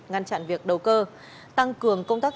ngăn chặn việc đầu cơ tăng cường công tác